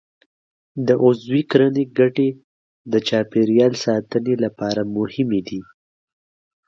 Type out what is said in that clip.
د عضوي کرنې ګټې د چاپېریال ساتنې لپاره مهمې دي.